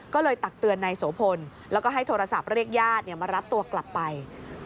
ก็เลยตักเตือนนายโสพลแล้วก็ให้โทรศัพท์เรียกญาติมารับตัวกลับไป